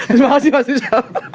terima kasih mas yusof